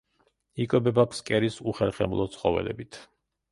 იკვებება ფსკერის უხერხემლო ცხოველებით.